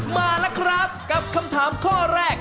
มาแล้วครับกับคำถามข้อแรก